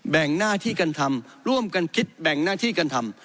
งหน้าที่กันทำร่วมกันคิดแบ่งหน้าที่กันทำ